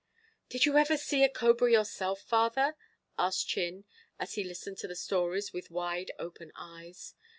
"Did you ever see a cobra yourself, father?" asked Chin, as he listened to the stories with wide open eyes.